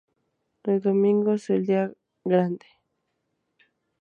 El domingo es el Día Grande.